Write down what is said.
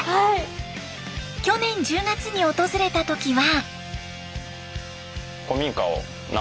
去年１０月に訪れた時は。